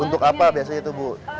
untuk apa biasanya itu bu